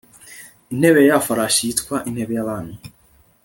intebe ya farashi yitwa intebe yabami